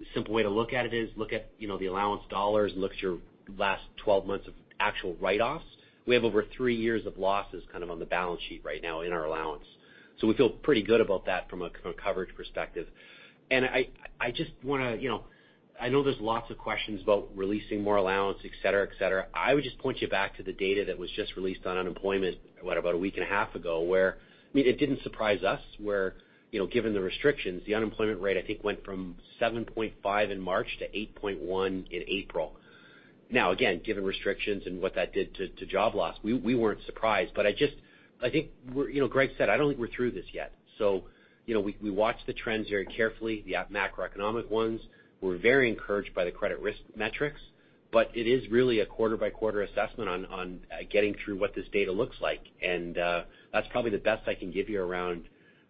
a simple way to look at it is look at, you know, the allowance dollars, look at your last 12 months of actual write-offs. We have over 3 years of losses kind of on the balance sheet right now in our allowance. So we feel pretty good about that from a coverage perspective. And I, I just wanna, you know, I know there's lots of questions about releasing more allowance, et cetera, et cetera. I would just point you back to the data that was just released on unemployment, what, about a week and a half ago, where, I mean, it didn't surprise us, where, you know, given the restrictions, the unemployment rate, I think, went from 7.5 in March to 8.1 in April. Now, again, given restrictions and what that did to, to job loss, we, we weren't surprised. But I just. I think, we're, you know, Greg said, I don't think we're through this yet. So, you know, we, we watch the trends very carefully, the macroeconomic ones. We're very encouraged by the credit risk metrics, but it is really a quarter-by-quarter assessment on, on, getting through what this data looks like. That's probably the best I can give you around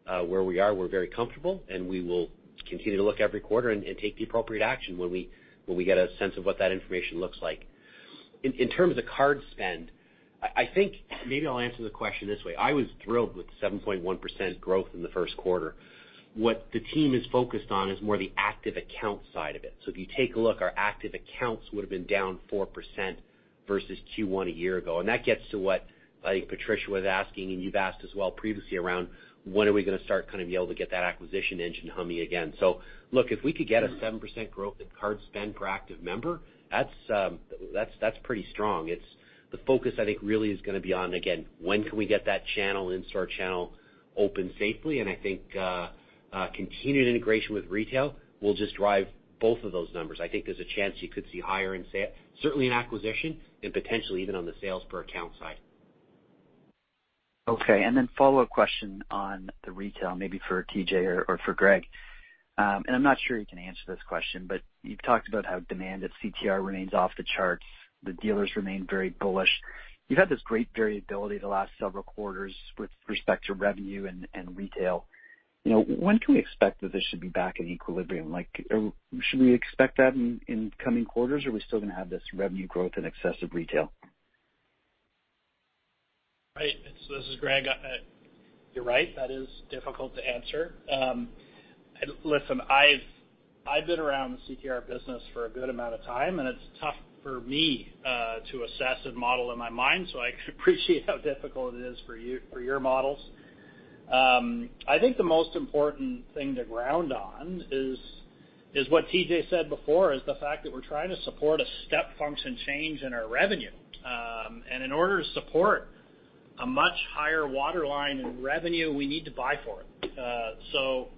where we are. We're very comfortable, and we will continue to look every quarter and take the appropriate action when we get a sense of what that information looks like. In terms of card spend, I think maybe I'll answer the question this way. I was thrilled with the 7.1% growth in the first quarter. What the team is focused on is more the active account side of it. So if you take a look, our active accounts would've been down 4% versus Q1 a year ago. And that gets to what I think Patricia was asking, and you've asked as well previously, around when are we gonna start kind of be able to get that acquisition engine humming again? So look, if we could get a 7% growth in card spend per active member, that's pretty strong. The focus, I think, really is gonna be on, again, when can we get that channel, in-store channel open safely? And I think continued integration with retail will just drive both of those numbers. I think there's a chance you could see higher certainly in acquisition, and potentially even on the sales per account side. Okay, and then a follow-up question on the retail, maybe for TJ or for Greg. And I'm not sure you can answer this question, but you've talked about how demand at CTR remains off the charts, the dealers remain very bullish. You've had this great variability the last several quarters with respect to revenue and retail. You know, when can we expect that this should be back in equilibrium? Like, should we expect that in coming quarters, or are we still gonna have this revenue growth in excess of retail? Right. So this is Greg. You're right, that is difficult to answer. Listen, I've been around the CTR business for a good amount of time, and it's tough for me to assess and model in my mind, so I appreciate how difficult it is for you—for your models. I think the most important thing to ground on is what TJ said before, is the fact that we're trying to support a step function change in our revenue. And in order to support a much higher waterline in revenue, we need to buy for it. So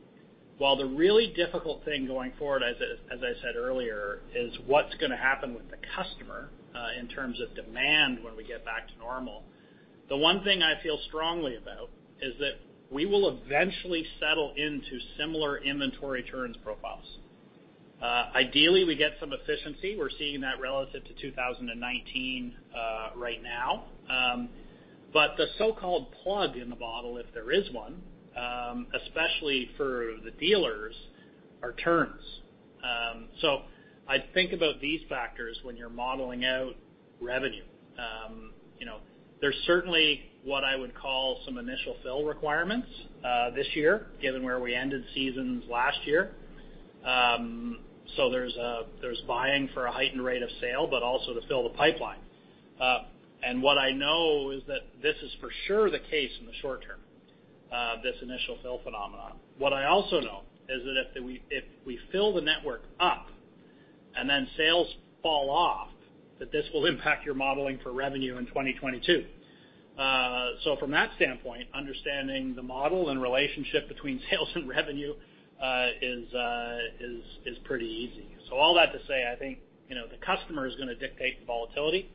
while the really difficult thing going forward, as I said earlier, is what's gonna happen with the customer in terms of demand when we get back to normal, the one thing I feel strongly about is that we will eventually settle into similar inventory turns profiles. Ideally, we get some efficiency. We're seeing that relative to 2019 right now. But the so-called plug in the model, if there is one, especially for the dealers, are turns. So I'd think about these factors when you're modeling out revenue. You know, there's certainly what I would call some initial fill requirements this year, given where we ended seasons last year. So there's buying for a heightened rate of sale, but also to fill the pipeline. And what I know is that this is for sure the case in the short term, this initial fill phenomenon. What I also know is that if we, if we fill the network up and then sales fall off, that this will impact your modeling for revenue in 2022. So from that standpoint, understanding the model and relationship between sales and revenue, is, is, is pretty easy. So all that to say, I think, you know, the customer is gonna dictate the volatility,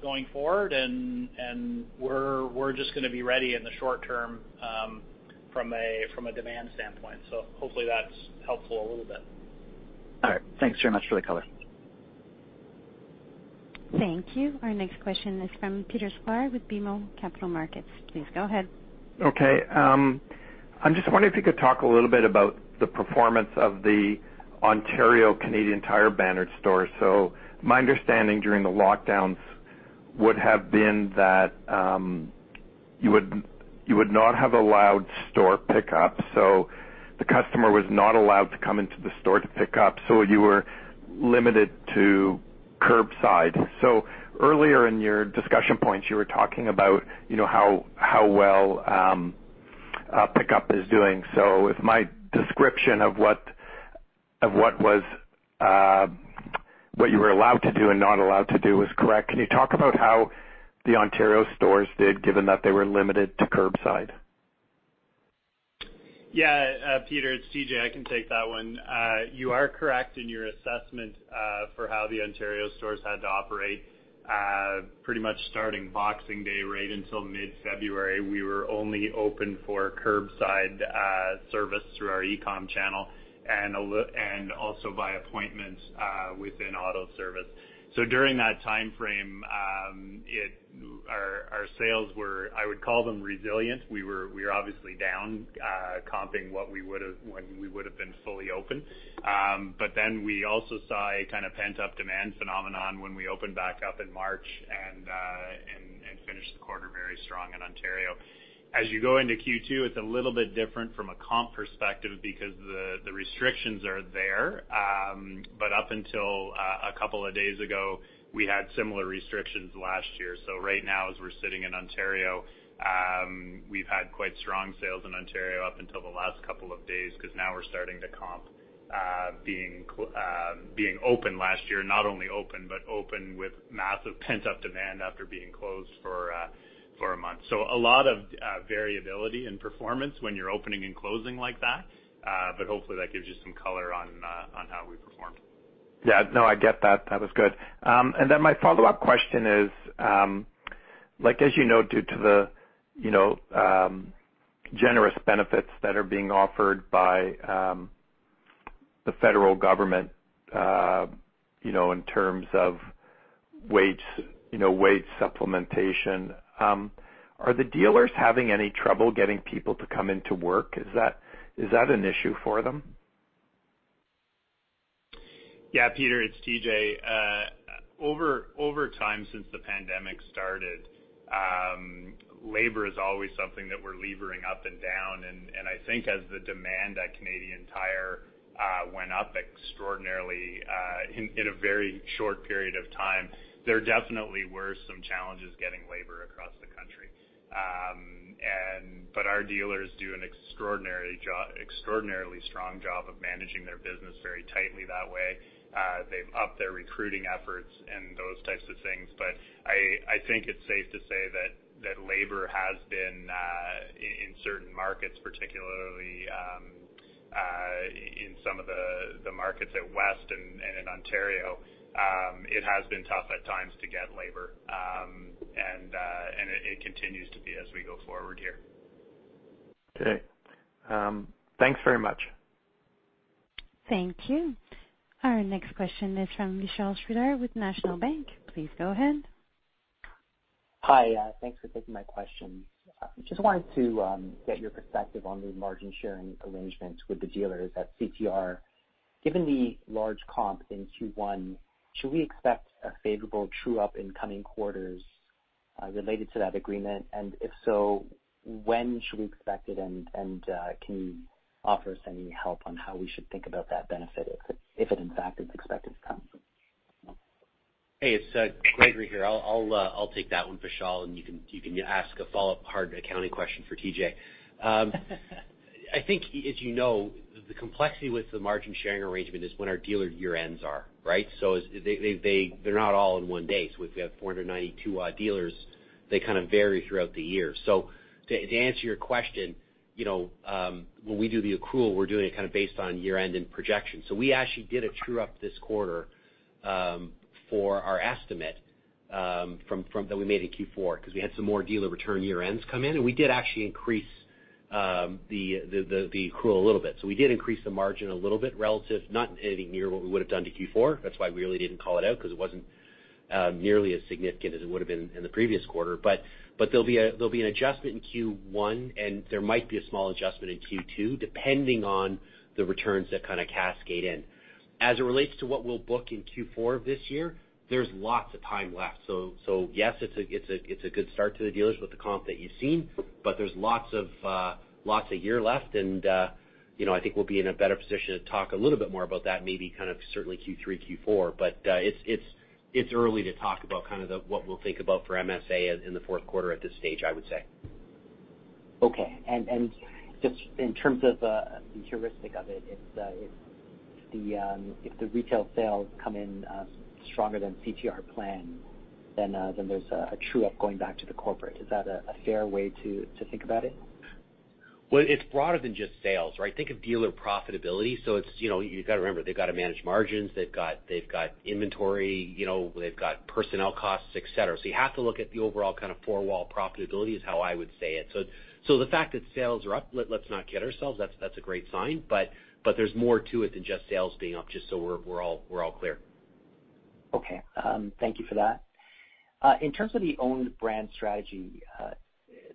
going forward, and, and we're, we're just gonna be ready in the short term, from a, from a demand standpoint. So hopefully, that's helpful a little bit. All right. Thanks very much for the color. Thank you. Our next question is from Peter Sklar with BMO Capital Markets. Please go ahead. Okay, I'm just wondering if you could talk a little bit about the performance of the Ontario Canadian Tire bannered store. So my understanding during the lockdowns would have been that you would, you would not have allowed store pickup, so the customer was not allowed to come into the store to pick up, so you were limited to curbside. So earlier in your discussion points, you were talking about, you know, how well pickup is doing. So if my description of what, of what was, what you were allowed to do and not allowed to do was correct, can you talk about how the Ontario stores did, given that they were limited to curbside? Yeah, Peter, it's TJ. I can take that one. You are correct in your assessment for how the Ontario stores had to operate. Pretty much starting Boxing Day right until mid-February, we were only open for curbside service through our e-com channel and also by appointment within auto service. So during that timeframe, our sales were, I would call them resilient. We are obviously down, comping what we would have been when we would have been fully open. But then we also saw a kind of pent-up demand phenomenon when we opened back up in March and finished the quarter very strong in Ontario. As you go into Q2, it's a little bit different from a comp perspective because the restrictions are there. But up until a couple of days ago, we had similar restrictions last year. So right now, as we're sitting in Ontario, we've had quite strong sales in Ontario up until the last couple of days, because now we're starting to comp being open last year. Not only open, but open with massive pent-up demand after being closed for a month. So a lot of variability in performance when you're opening and closing like that, but hopefully, that gives you some color on how we performed. Yeah. No, I get that. That was good. Then my follow-up question is, like, as you know, due to the, you know, generous benefits that are being offered by the federal government, you know, in terms of wage, you know, wage supplementation, are the dealers having any trouble getting people to come into work? Is that, is that an issue for them? Yeah, Peter, it's TJ. Over time since the pandemic started, labor is always something that we're levering up and down, and I think as the demand at Canadian Tire went up extraordinarily in a very short period of time, there definitely were some challenges getting labor across the country. But our dealers do an extraordinarily strong job of managing their business very tightly that way. They've upped their recruiting efforts and those types of things. But I think it's safe to say that labor has been in certain markets, particularly in some of the markets in the West and in Ontario, it has been tough at times to get labor, and it continues to be as we go forward here. Okay. Thanks very much. Thank you. Our next question is from Vishal Shreedhar with National Bank. Please go ahead. Hi, thanks for taking my question. I just wanted to get your perspective on the margin sharing arrangement with the dealers at CTR. Given the large comp in Q1, should we expect a favorable true-up in coming quarters, related to that agreement? And if so, when should we expect it, and can you offer us any help on how we should think about that benefit, if it, in fact, is expected to come? Hey, it's Gregory here. I'll take that one, Vishal, and you can ask a follow-up hard accounting question for TJ. I think, as you know, the complexity with the margin sharing arrangement is when our dealer year ends are, right? So they're not all in one day. So we've got 492 dealers, they kind of vary throughout the year. So to answer your question, you know, when we do the accrual, we're doing it kind of based on year-end and projection. So we actually did a true-up this quarter, for our estimate from that we made in Q4, because we had some more dealer return year ends come in, and we did actually increase the accrual a little bit. So we did increase the margin a little bit relative, not anything near what we would have done to Q4. That's why we really didn't call it out, because it wasn't nearly as significant as it would have been in the previous quarter. But there'll be an adjustment in Q1, and there might be a small adjustment in Q2, depending on the returns that kind of cascade in. As it relates to what we'll book in Q4 of this year, there's lots of time left. So yes, it's a good start to the dealers with the comp that you've seen, but there's lots of year left, and you know, I think we'll be in a better position to talk a little bit more about that, maybe kind of certainly Q3, Q4. But it's early to talk about kind of what we'll think about for MSA in the fourth quarter at this stage, I would say. Okay. And just in terms of the heuristic of it, if the retail sales come in stronger than CTR plan, then there's a true-up going back to the corporate. Is that a fair way to think about it? Well, it's broader than just sales, right? Think of dealer profitability. So it's, you know, you've got to remember, they've got to manage margins, they've got inventory, you know, they've got personnel costs, et cetera. So you have to look at the overall kind of four-wall profitability, is how I would say it. So, so the fact that sales are up, let's not kid ourselves, that's a great sign, but there's more to it than just sales being up, just so we're all clear. Okay. Thank you for that. In terms of the owned brand strategy,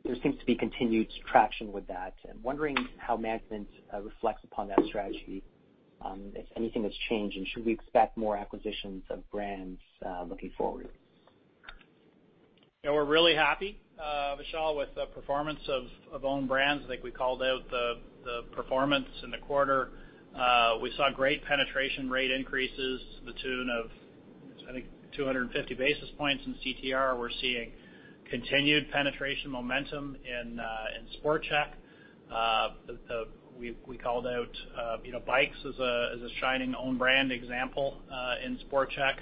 there seems to be continued traction with that. I'm wondering how management reflects upon that strategy, if anything has changed, and should we expect more acquisitions of brands, looking forward? Yeah, we're really happy, Vishal, with the performance of own brands. I think we called out the performance in the quarter. We saw great penetration rate increases to the tune of, I think, 250 basis points in CTR. We're seeing continued penetration momentum in SportChek. We called out, you know, bikes as a shining own brand example in SportChek.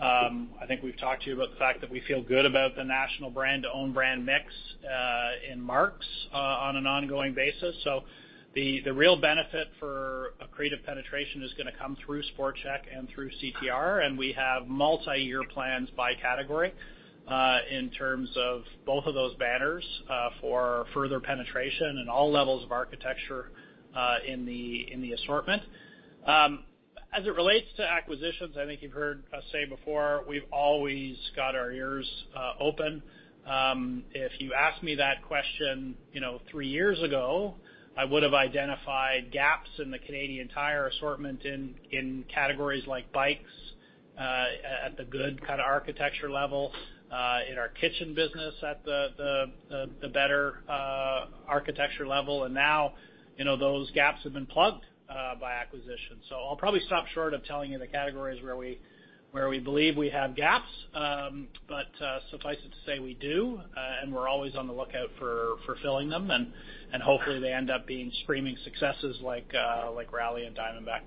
I think we've talked to you about the fact that we feel good about the national brand to own brand mix in Mark's on an ongoing basis. So the real benefit for accretive penetration is gonna come through SportChek and through CTR, and we have multi-year plans by category, in terms of both of those banners, for further penetration and all levels of architecture, in the assortment. As it relates to acquisitions, I think you've heard us say before, we've always got our ears open. If you asked me that question, you know, three years ago, I would have identified gaps in the Canadian Tire assortment in categories like bikes, at the good kind of architecture level, in our kitchen business at the better architecture level. And now, you know, those gaps have been plugged by acquisition. So I'll probably stop short of telling you the categories where we believe we have gaps, but suffice it to say, we do, and we're always on the lookout for filling them, and hopefully, they end up being screaming successes like Raleigh and Diamondback.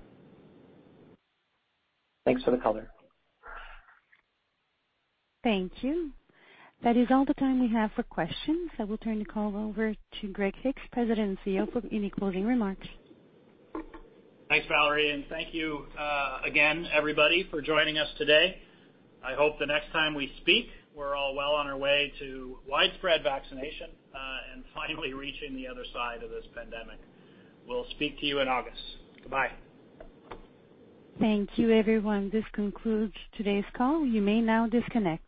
Thanks for the color. Thank you. That is all the time we have for questions. I will turn the call over to Greg Hicks, President and CEO, for any closing remarks. Thanks, Valerie, and thank you, again, everybody, for joining us today. I hope the next time we speak, we're all well on our way to widespread vaccination, and finally reaching the other side of this pandemic. We'll speak to you in August. Goodbye. Thank you, everyone. This concludes today's call. You may now disconnect.